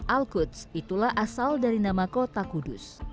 al quds itulah asal dari nama kota kudus